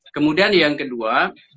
kemudian yang kedua